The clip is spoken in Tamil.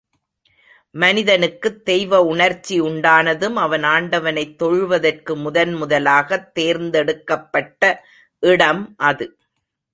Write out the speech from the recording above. மனிதனுக்குத் தெய்வ உணர்ச்சி உண்டானதும், அவன் ஆண்டவனைத் தொழுவதற்கு முதன் முதலாகத் தேர்ந்தெடுக்கப்பட்ட இடம் அது.